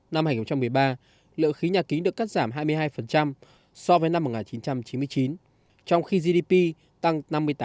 năm hai nghìn một mươi ba lượng khí nhà kính được cắt giảm hai mươi hai so với năm một nghìn chín trăm chín mươi chín trong khi gdp tăng năm mươi tám